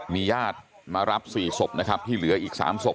มีญาติมารับ๔ศพนะครับที่เหลืออีก๓ศพ